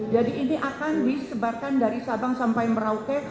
ini akan disebarkan dari sabang sampai merauke